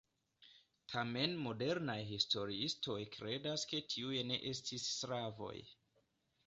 Tamen modernaj historiistoj kredas ke tiuj ne estis slavoj.